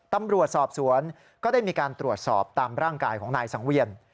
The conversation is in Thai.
ตำรวจสอบสวนก็ได้มีการตรวจสอบตามร่างกายของนายสังเวียน